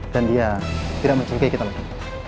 dan dia tidak mencurigai kita lagi